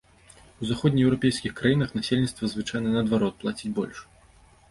У заходнееўрапейскіх краінах насельніцтва звычайна наадварот плаціць больш.